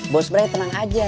bos brai tenang aja